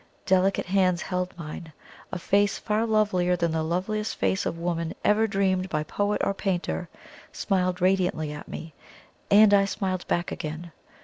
Delicate hands held mine a face far lovelier than the loveliest face of woman ever dreamed by poet or painter, smiled radiantly at me, and I smiled back again.